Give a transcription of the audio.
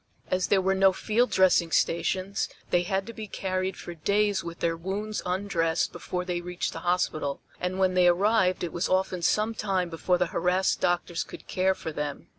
As there were no field dressing stations they had to be carried for days with their wounds undressed before they reached the hospital, and when they arrived it was often some time before the harassed doctors could care for them.